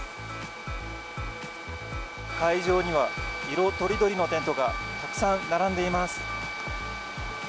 会場には、色とりどりのテントがたくさん並んでいます。